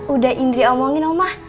udah indri omongin oma